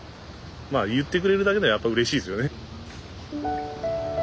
まあ言ってくれるだけでやっぱうれしいですよね。